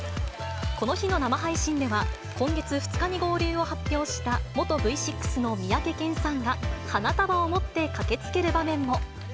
この日の生配信では、今月２日に合流を発表した、元Ｖ６の三宅健さんが花束を持って駆けつける場面も。